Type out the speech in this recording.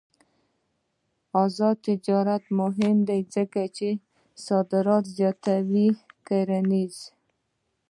آزاد تجارت مهم دی ځکه چې صادرات زیاتوي کرنيز.